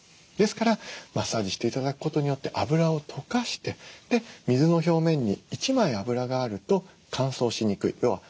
ですからマッサージして頂くことによって脂を溶かしてで水の表面に一枚脂があると乾燥しにくい。